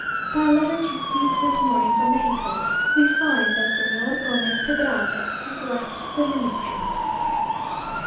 By letters received this morning from Mexico, we find that Señor Gomez Pedraza has left the ministry.